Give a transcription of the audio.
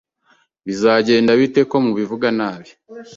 Bizagenda bite ko mubivuga nabi